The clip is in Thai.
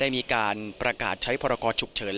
มีการใช้พรากอถฉุกเฉิน